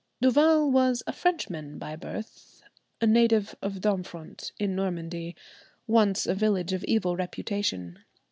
Duval was a Frenchman by birth—a native of Domfront in Normandy, once a village of evil reputation.